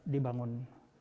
hai minggu brand